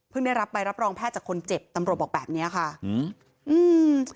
ได้รับใบรับรองแพทย์จากคนเจ็บตำรวจบอกแบบเนี้ยค่ะอืมอืม